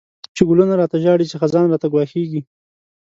چی گلونه را ته ژاړی، چی خزان راته گواښیږی